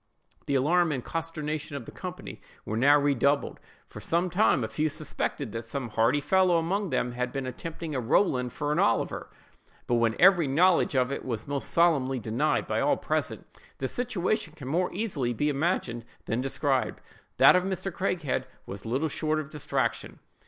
The alarm and consternation of the company were now redoubled; for some time a few suspected that some hardy fellow among them had been attempting a Rowland for an Oliver, but when every knowledge of it was most solemnly denied by all present, their situation can be more easily imagined than described; that of Mr. Craighead was little short of distraction.